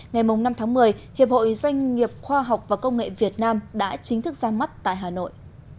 ngày năm tháng một mươi hiệp hội doanh nghiệp khoa học và công nghệ việt nam đã chính thức ra mắt tại hà nội